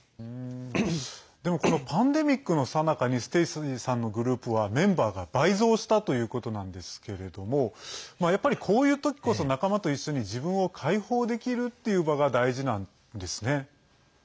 でも、パンデミックのさなかにステイシーさんのグループはメンバーが倍増したということなんですけれどもやっぱり、こういう時こそ仲間と一緒に自分を開放できるっていう場が大事なんですね。